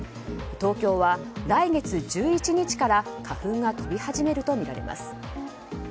東京は来月１１日から花粉が飛び始めるとみられます。